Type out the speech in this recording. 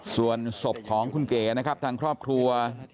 ส่วนศพของคุณเก๋นะครับทางครอบครัว